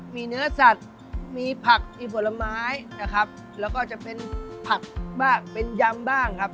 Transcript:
มีเนื้อสัตว์มีผักมีผลไม้นะครับแล้วก็จะเป็นผักบ้างเป็นยำบ้างครับ